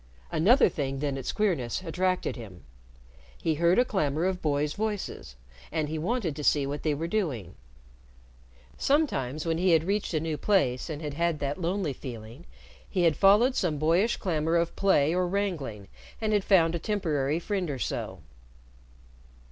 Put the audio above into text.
Another thing than its queerness attracted him. He heard a clamor of boys' voices, and he wanted to see what they were doing. Sometimes, when he had reached a new place and had had that lonely feeling, he had followed some boyish clamor of play or wrangling, and had found a temporary friend or so.